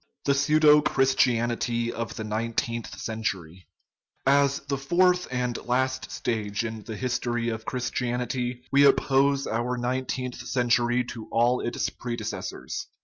THE PSEUDO CHRISTIANITY OF THE NINE TEENTH CENTURY As the fourth and last stage in the history of Chris tianity we oppose our nineteenth century to all its prede cessors.